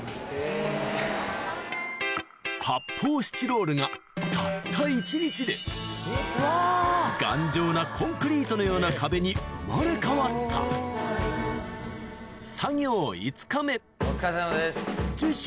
発泡スチロールがたった一日で頑丈なコンクリートのような壁に生まれ変わったお疲れさまです！